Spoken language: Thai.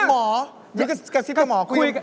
หมอกระชิดข้างหมอก